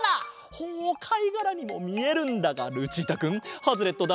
ほうかいがらにもみえるんだがルチータくんハズレットだ！